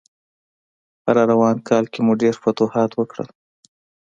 په راروان کال کې مو ډېر فتوحات وکړل.